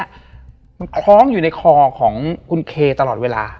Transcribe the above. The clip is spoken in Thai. มันคล้องอยู่ในคอของคุณเคตลอดเวลา